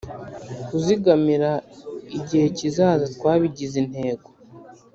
Kuzigamira igihe kizaza twabigize intego